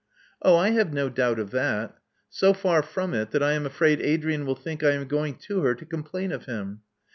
Oh, I have no doubt of that. So far from it, that I am afraid Adrian will think I am going to her to com plain of him.